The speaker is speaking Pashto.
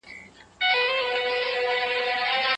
هغه ښه انسان هېڅکله د نورو خلګو ترمنځ تعصب او کرکه نه خپروي.